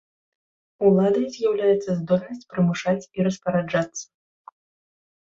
Уладай з'яўляецца здольнасць прымушаць і распараджацца.